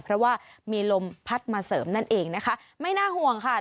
เพราะว่ามีลมพัดมาเสริมนั่นเองนะคะไม่น่าห่วงค่ะ